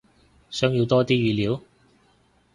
想要多啲語料？